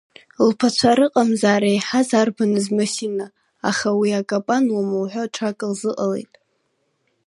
Лԥацәа рыҟамзаара еиҳаз арбаныз Масина, аха уи аакапануама уҳәо ҽак лзыҟалеит…